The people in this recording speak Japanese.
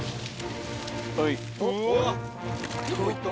はい。